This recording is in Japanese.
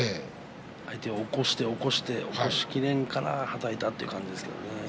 相手を起こして起こしきれたらはたいたという感じですね。